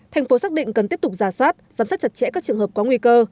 thành phố xác định cần tiếp tục giả soát giám sát chặt chẽ các trường hợp có nguy cơ